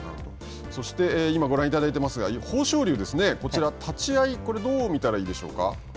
そして、今ご覧いただいてますが豊昇龍ですね、こちら、立ち合い、これ、どう見たらいいでしょうか。